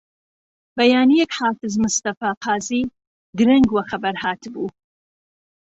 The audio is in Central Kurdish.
بەیانییەک حافز مستەفا قازی درەنگ وە خەبەر هاتبوو